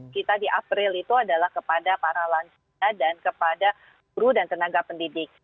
kita di april itu adalah kepada para lansia dan kepada guru dan tenaga pendidik